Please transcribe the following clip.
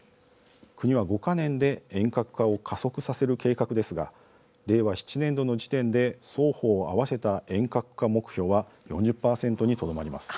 国は５か年で遠隔化を加速させる計画ですが令和７年度の時点で双方を合わせた遠隔化目標は４０％にとどまります。